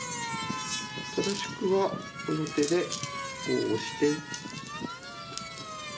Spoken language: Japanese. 正しくはこの手でこうオシて。